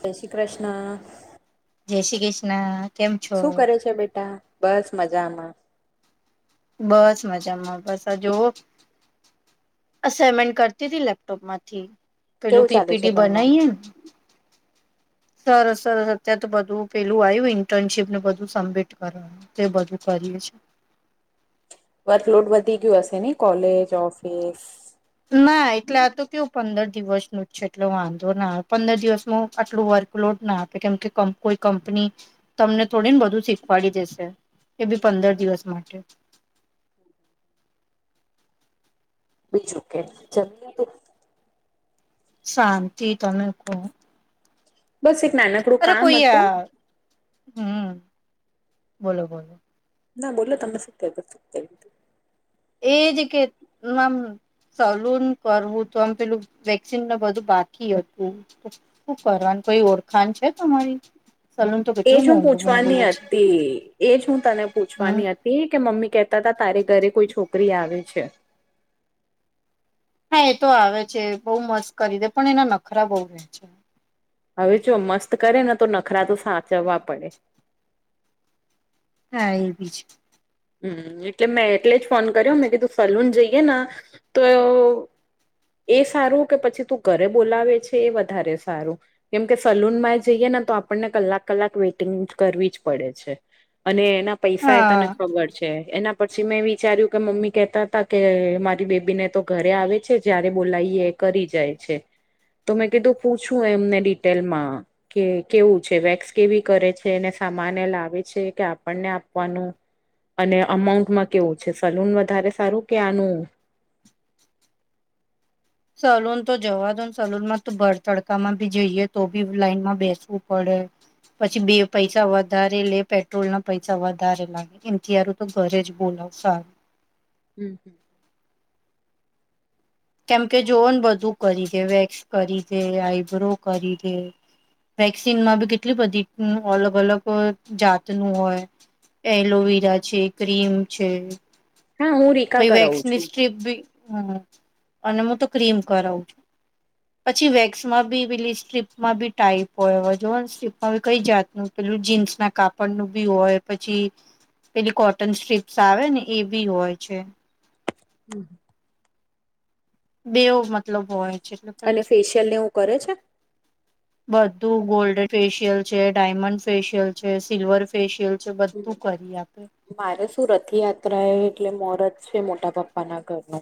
જય શ્રી કૃષ્ણ. જય શ્રી કૃષ્ણ. કેમ છો? શું કરે છે બેટા બસ મજામાં. બસ મજામાં બસ આ જો. અસાાઈનમેન્ટ કરતી હતીી લેપટોપ માંથી કેવું પેલું ચાલે છે પીપીડી ભણવાનું બનાવીએને. સર સર અત્યારે તો બધું પેલું આવ્યું ઇન્ટર્નશીપ ને બધું સબમિટ કરવાનું. તે બધું કરીએ છીએ. વર્કલોડ વધી ગયું હશે ને કોલેજ ઓફિસ. ના એટલે આ તો કેવું પંદર દિવસ ન જ છે એટલો વાંધો ના આવે પંદર દિવસ ન આટલું વર્ક. લોટ ના આપે કેમ કે કોઈ કંપની તમને થોડીને બધું શીખવાડી દેશે. એ બી પંદર દિવસ માટે. બીજું કે જમ. શાંતિ તમે કહ. બસ સિકસ. અરે કોઈ આ હમ બોલો બોલો. ના બોલો તમ સી્ સકતેું. એ જે કે નામ. સલૂન કરવું તો આમ પેલું વેક્સન ન બધું બાકી હતું. શું કરવાનું કઈ ઓળખાણ છે તમારી. સલૂન તો એજ કેટલું હું મોંઘું મોંઘું પૂછવાની લે છે. હતી એજ હું તને હમ પૂછવાની હતી. એ કે મમ્મી કેતા હતા તારે ઘરે કોઈ છોકરી આવે છે. હા એ તો આવે છે બહુ મસ્ત કરી દે પણ એના નખરા બઉુ વ છે. હવે જો મસ્ત કરે ને તો નખરા તો સાચવવા પડે. હા એ બી છે. હમ એટલે મેં એટલે જ ફોન કર્યો મેં કે તું સલૂન જઈએ ને તો. એ સારું કે પછી તું ઘરે બોલાવે છે એ વધારે સારું. કેમ કે સલૂન માં જઈએ ને તો આપણને કલાક કલાક વેઇટિંગ કરવી જ પડે છે. અને એના પૈસા એ તને. હા. ખબર છે એના પછી મેં વિચાર્યું કે મમ્મી કેતા હતા કે મારી બેબીને તો. ઘરે આવે છે જ્યારે બોલાવીએ કરી જાય છે. તો મેં કીધું પૂછું એમને ડિટેલ માં. કે કેવું છે વેક્સ કેવી કરે છેને સામાન લાવે છે કે આપણને આપવાનું. અને અમાઉન્ટમાં કેવું છે સલૂન વધારે સારું કે આનું. સલૂન તો જવા દો ને સલૂનમાં તો ભર તડકામાં ભી જઈએ તો બી લાઈનમાં બેસવું પડે પછી બે પૈસા વધારે લે પેટ્રોલ ના પૈસા વધારે લાગે એમ. તો ઘરે જ બોલાવ સાર. હમ હમ. કેમકે જોન બધું કરી દે વેક્સ કરી દે આઈબ્રો કરી દે. વેક્સિનમાં બી કેટલી બધી અલગ અલગ જાતનું હોય. એલોવેરા છે ક્રીમ છે. હા હું રીકા તો કરાવું વેક્સની છું સ્ટ્રીપ બી હ અને હું તો ક્રીમ કરાવું છું. હ. પછી વેક્સમાં બી પેલી સ્ટ્રીપમાં બી ટાઈપ હોય જોને સ્ટ્રીપમાં બી કઈ જાતનું. પેલું જીન્સ ના કાપડ ન બી હોય પછી. પેલી કોટન સ્ટ્રીપ્સ આવે ને એ બી હોય છે. હમ. બેવ મતલબ હોય છે એટલે કઈ. અને ફેશિયલને એવું કરે છે? બધું ગોલ્ડ ફેશિયલ છે ડાયમંડ ફેશિયલ છે સિલ્વર ફેશિયલ. બધું કરી આપે. મારે સુરથયાત્રા એ એટલે મોરત છે મોટા પપ્પાના ઘરનો.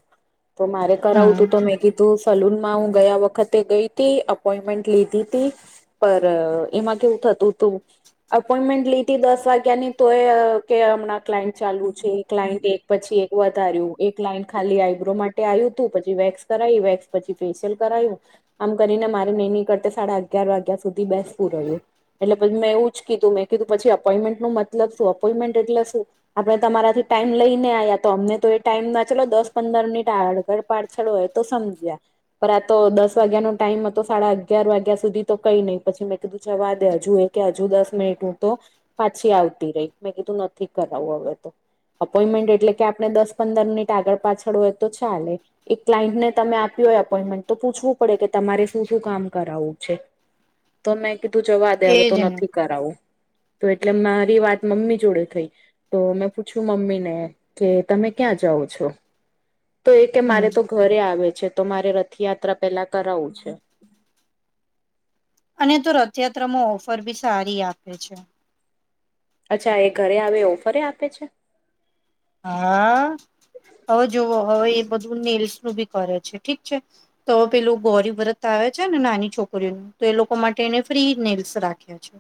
તો મારે કરાવું હમ તું તો મેં કીધું. સલૂનમાં હું ગયા વખતે ગઈ હતી અપોઈન્ટમેન્ટ લીધી હતીી. પર એમાં કેવું થતું હતું અપોઈન્ટમેન્ટ લી દસ વાગે. ની તો એ કે હમણાં ક્લાયન્ટ ચાલુ છે ક્લાયન્ટ એક પછી એક વધાર્યું. એક લાઈન ખાલી આઈબ્રો માટે આવ્યું હતું પછી વેક્સ કરાય વેક્સ પછી ફેેશિયલ કરાયું. આમ કરીને મારે નહી નીકળતા સાડા અગિયાર વાગ્યા સુધી બેસતું રહ્યું. એટલે મેં એવું જ કીધું મેં કીધું પછી અપોન્ટમેન્ટ ન મતલબ શું અપોન્ટમેન્ટ એટલે શું. આપડણે તમારાથી ટાઈમ લઈ ને આ્યા તો અમને તો એ ટાઈમ ના ચલો દસ પંદર મિનિટ આગડ. ગળ પાછળ હોય તો સમજ્યા. પર આ તો દસ વાગ્યાનોો ટાઈમ હતો સાડા અગિયાર વાગ્યા સુધી તો કઈ નહીિ પછી મેં કીધું જવા દે હજુ એ. કે હજુ દસ મિનિટ હું તો પાછી આવતી રહી મેં કીધું નથી કરાવું હવે તો. અપોઈન્ટમેન્ટ એટલે કે આપણે દસ પંદર મિનિટ આગળ પાછળ હોય તો ચાલે. એક ક્લાયન્ટને તમે આપ્યું હોય એપોઈન્ટમેન્ટ તો પૂછવું પડે કે તમારે શું શું કામ કરાવવું છે. તો મેં કીધું જવા દે હવે એજ તો ને નથી કરાવું. તો એટલે મારી વાત મમ્મી જોડે થઈ. તો મેં પૂછ્યું મમ્મીને કે તમે ક્યાં જાઓ છો. તો એ કે હમ મારે તો ઘરે આવે છે તો મારે રથયાત્રા પેલા કરાવું છે. અને તો રથયાત્રામાં ઓફર બી સારી આપે છે. અચ્છા એ ઘરે આવે ઓફરે આપે છે. હા હવે જોવો હવે એ બધું નેલ્સ નું ભી કરે છે ઠીક છે. તો પેલો ગૌરી વ્રત. આવે છે ને નાની છોકરીઓ ન તો એ લોકો માટે એને ફ્રી નેલ્સ રાખ્યા છે.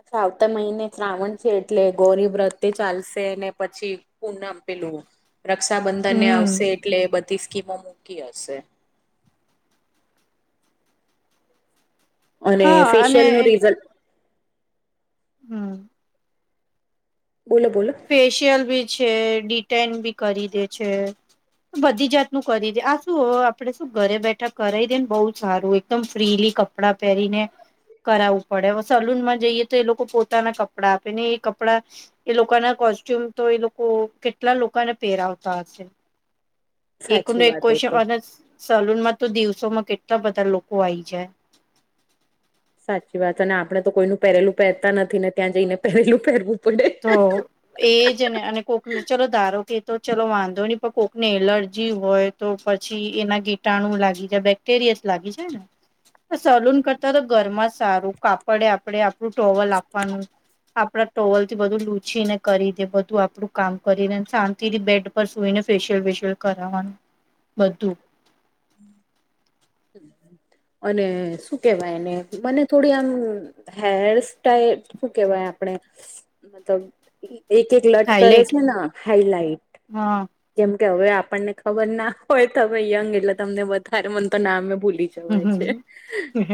અ્છા આવતા મહિને શ્રાવણ છે એટલે ગૌરી વ્રત ચાલશે ને પછી. પૂણ આપેલું રક્ષાબંધનને હમ આવશે એટલે બધી સ્કીમો મૂકી હશે. અને હા ફેશિયલ અને નું રીઝલ. હમ. બોલો બોલો. ફેશિયલ બી છે ડિટઇન બી કરી દે છે. બધી જાતનુંું કરી દે આ શું આપડે શું ઘરે બેઠા કરાવ દેએ ને બહુ સારું એકદમ ફ્રીલી ક. કપડા પહેરીને. કરાવવું પડે હવે સલૂન માં જઈએ તો એ લોકો પોતાના કપડાં આપે ને એ કપડા. એ લોકોના કોસ્ટ્યુમ તો એ લોકો કેટલા લોકોને પેરાવતા હશે. એક સાચી એક વાત એ તો કોન અને સલૂનમાં તો દિવસોમાં કેટલા બધા લોકો આવી જાય. સાચી વાત અને આપડણે તો કોઈનું પહેરેલું પહેરતા નથી ને ત્યાં જઈને પહેરેલું પહેરવું. પડે તો. એજ ને અને કોકને ચલો ધારો કે તો ચલો વાંધો નહી પણ કોકને એલર્જી હોય. તો પછી એના કીટાણુ લાગી જાય બેક્ટેરિયાસ લાગી જાય ને. સલૂન કરતા તો ઘરમાં સારું કાપડે આપણે આપણું ટોવલ આપવાનું. આપણા ટોલ. થી બધું લૂચી ને કરી દે બધું આપણું કામ કરીને શાંતિથી બેડ પર સુઈને ફેશિયલ વેશિયલ. કરાવવાનું બધું. અને શું કેવાય એને મને થોડી આમ. હેર સ્ટાઈલ શું કેવાય આપણે મતલબ. એક એક લટ કરે હાઈલાઈટ છે ન હાઈલાઈટ હા કેમ કે હવે આપણને ખબર ના હોય તોમે યંગ એટલે તમને વધારે મને તો ના નામે ભૂલી ય છે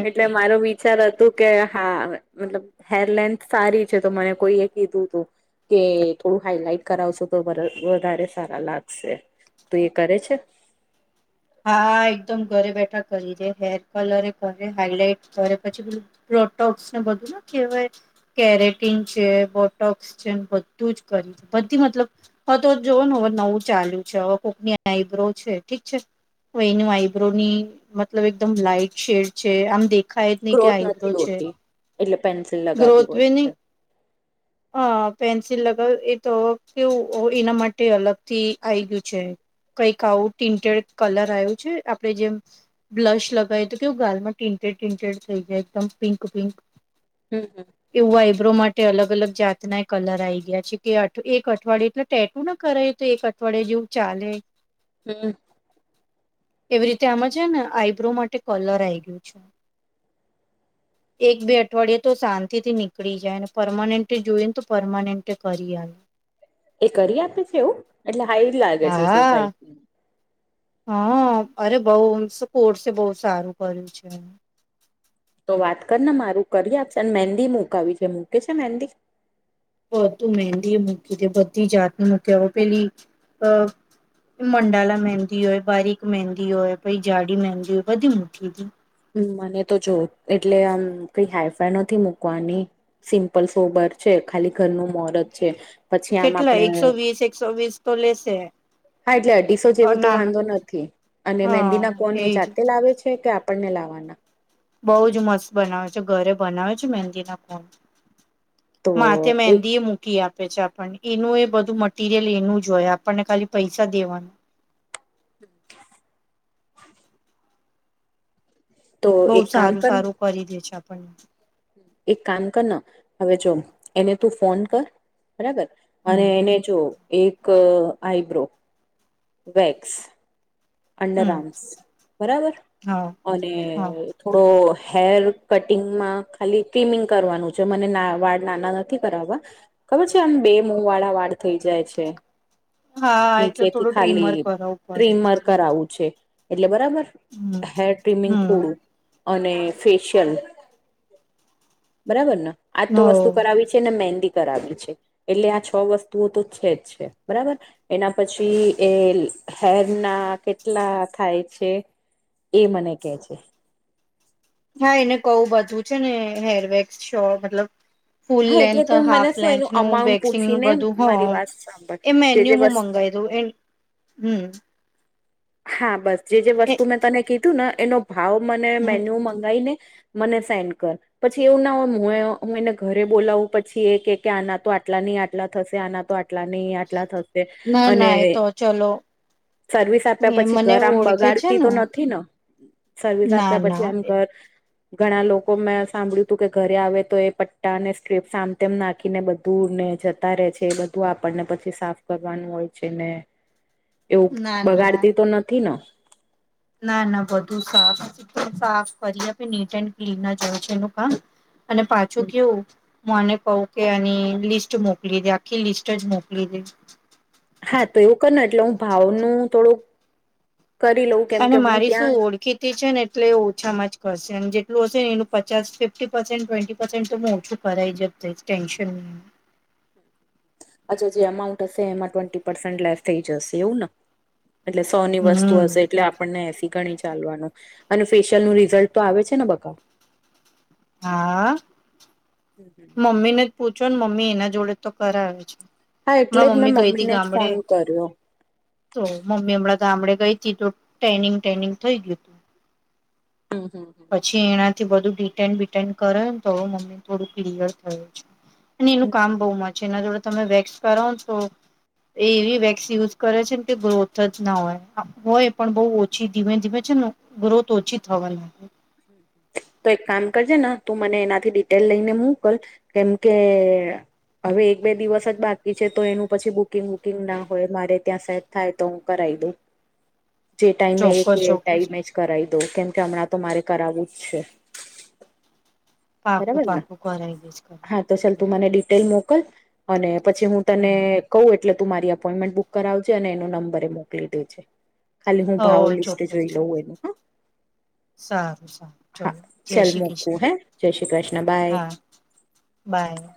એટલે મારો બી અ ચાલ હતું કે હા મતલબ હેર લેન્થ સારી છે તો મને કોઈએ કીધું તું. કે થોડું હાઈલાઈટ કરાવશો તો વધારે સારા લાગશે. તો એ કરે છે. હા એકદમ ઘરે બેઠા કરી દે હેર કલરે કરે હાઈલાઈટ કરે પછી પેલું. બોોક્સ ને બધું ને કહેવાય. કેરેટીન છે બોટોક્સ છે બધું જ કર્યું છે બધી મતલબ. હવે તો જોવનું હવે નવું ચાલુ છે હવે કોકની આઈબ્રો છે ઠીક છે. એની વાઇબ્રો ની મતલબ એકદમ લાાઈટ શેડ છે આમ દેખાય જ નહી કે ગ્રોથ આઈબ્રો નથી છે હોતી એટલે પેન્સિલ લગાવવી ગ્રોથ વે પડે છે. નહી અ પેન્સિલ લગાવ એ તો કેવું એના માટે અલગ થી આઇ ગયું છે. કંઈક આવું ટિન્ટેડ કલર આવ્યું છે આપડે જેમ બ્લશ લગાવ તો કેવું ગાલમાં ટીન્ટેડ ટીન્ટેડ થઈ જાય એકદમ પિંક પિંક હમ હમ એવું આઈબ્રો માટે અલગ અલગ જાતના એ કલર આ આઈ ગયા છે કે એક અઠવાડિયે એટલે ટેટું ના કરે તો એક અઠવાડયે જેવું ચાલે. હમ એવી રીતે આમાં છે ને આઈબ્રો માટે કલર આઈ ગયો છે. [unintelligible] એક બે અઠવાડિયે તો શાંતિ થી નીકળી જાય ને પરમાનન્ટ જોઈને તો પરમાનન્ટ કરી આવે. એ કરી આપે છે એવું એટલે હાઈ લાગે છે હા સોસાયટી હા અરે બઉ કોર્સે બહુ સારું કર્યું છે. તો વાત કર ને મારું કરી આપશેને મહેંદી મુૂકાવી છે મૂકે છે મેંદી બંધુ મેહેંદી મૂકી તે બધી જાતને મુૂક્યા વ પેલી અ મંડાલા મહેંદી હોય બારીક મહેંદી હોય પછ જાડી મહેંદી હોય બધી મુઠ્ઠી દે. હમ મને તો જો એટલે આમ કઈ હાઈફાઈ નથી મૂકવાની સિમ્પલ સોબર છે ખાલી ઘરનું મોરત છે. પછી આમ કેટલા આપણે એકસો વીસ એકસો વીસ તો લેશે. હા એટલે અઢીસો જેવું ના તો ના વાંધો નથી અને મહેંદીના હા કોને એ એજ જાતે લાવે છે કે આપે આપને લાવવાના બઉ જ મસ્ત બનાવે છે ઘરે બનાવે છે મહેંદીના કોણ તો માથે એક મેદી મુ ઈ આપે છે આપણને એનું એ બધું મટીરિયલ એનું જ હોય આપણને ખાલી પૈસા દેવાનું. હમ [unintelligible] તો બહુ એક કામ સારું કર સારું કરી દે છે આપણને. એક કામ કર ના હવે જો એને તું ફોન કર બરાબર. અને હમ એને જોવ એક આઈબ્રો વેક્સ અંડર હમ આર્મ્સ બરાબર હા અને હા થોડો હેર કટિંગમાં ખાલી ટ્રિમિંગ કરવાનું છે મને વાળ નાના નથી કરાવવા ખબર છે આમ બે મુ વાળા વાળ થઇ જાય છે. હા એટલે નીચેથી થોડું ટ્રીમર કરાવવું પડે. આવું છે એટલે બરાબર હમ હેર ટ્રિમિંગ હમ થોડું અને ફેશિયલ બરાબર ને આજ તો હ વસ્તુ કરાવી છે ને મહેંદી કરાવી છે. એટલે આ છ વસ્તુઓ તો છે જ છે બરાબર. એના પછી એ હેર ના કેટલા થાય છે એ મને કે છે. હા એને કહું બધું છે ને હેરવેક્સ શો મતલબ ફૂલ હા એટલે લેન્થ તું મને હાફ શું લેન્થ એનું નું અમાઉન્ટ વેક્સિંગ નું પૂછીને બધું હ મારી વાત સાંભળ એ જે જે મેન્યુું વસ્ મંગાઈ લોએ હમ હા બસ જે જે એ વસ્તુ મેં તને કીધું ને એનો ભાવ મને મેન્યુ મંગાવી ને મને સેન્ડ કર પછી એવું ના હોય હું હું એને ઘરે બોલાવું પછી એ કે કે આના તો આટલા નહીં આટલા થશે આના તો આટ આટલા નહીં આટલા થશે ના અને ના એ તો ચલો સર્વિસ આપશે આપ્યા એ પછી મને ઘર આમ ઓળખે છે બગાડતી તો નથી ને સર્વિસ ના આપ્યા પછી ના આમ ઘર ઘણા લોકો મેં સાંભળ્યું તું કે ઘરે આવે તો એ પટ્ટા ને સ્ટ્રીપ સામ તેમ નાખીને બધ દૂર ને જતા રહે છે એ બધું આપણને પછી સાફ કરવાનું હોય છે ને એવું ના ના બગાડતી તો નથી ને ના ના બધું સાફ સાફ કરી આપે નીટ એન્ડ ક્લીન જાય છે એનું કામ અને પાછું કેવું મને કહ કે અને લિસ્ટ મોકલી દે આખી લિસ્ટ જ મોકલી દે હા તો એવું કર એટલે હું ભાવનુંું થોડુંક કરી લઉં કેમ અને કે હું મારી શું ત્યાં છે ઓળખીતી ને એટલે એ ઓછામાં જ કરશે અને જેલું હશે ને એનું પચાસ ફિફ્ટી પર્સેન્ટ ટ્વેન્ટી પર્સેન્ટ તોું ઓછું. કરરાાય જ ટેન્શન ન [unintelligible] અચ્છા જે એમાઉન્ટ હશે એમાં ટ્વેન્ટી પર્સેન્ટ લેસ થઈ જશે એવું ને એટલે સોની વસ્તુ હમ હશે એટલે આપણને એસી ગણી ચાલવાનું અને ફેશિયલ નું રિઝલ્ટ તો આવે છે ને બકા હા હમ હમ મમ્મી ને જ પૂછો ને મમ્મી એના જોડે તો કર આવે છે હા એટલે જ મારી મેં મમ્મી ગઈ હતી મમ્મીને જ ગામડે ફોન કર્યો. તો મમ્મી હમણાં ગામડે ગઈ હતીથી તો ટ્રેનિંગ ટ્રેનિંગ થઈ ગયું હતું [unintelligible] પછી એનાથી બધું ડિટેન બિટેન કરે ને તો મમ્મી થોડું ક્લિયર થયું છે અને એનું હમ. કામ બહુ મ છે એના જોડે તમે વેક્સ કરો છો એવી વેક્સ યુઝ કરે છે ને કે ગ્રોથ જ ના હોય હોય પણ બઉુ ઓછી ધીમે ધીમે છે ગ્રોથ ઓછી થવા લાગે તો એક કામ કરજે ને તું મને એનાથી ડિટેલ લઈને મોકલ કેમ કે હવે એક બે દિવસ જ બાકી છે તો એનું પછી બુકિંગ વુકિંગ ના હોય મારે ત્યાં સેટ થાય તો હું કરાવી દઉં જે ટાઈમે ચોક્કસ એક એ ચોક્કસ ટાઈમે જ કરાવી દઉ કેમ કે હમણાં તો મારે કરાવવું જ છે પાકું બરાબર ને. પાકું કર એ ગજ કર હા તો ચાલ તું મને ડિટેલ મોકલ અને પછી હું તને હમ કઉું એટલે તું મારી અપોઈન્ટમેન્ટ બુક કરાવજે અને એનો નંબર એ મોકલી દેજ ખાલી હું હો ભાવ લિસ્ટ ચોક્કસ જોઈ લઉં એનું હા સારું સારું ચલો જય ચાલ શ્રી મૂકવું કૃષ્ણ હે જય શ્રી કૃષ્ણ બાય હા બાય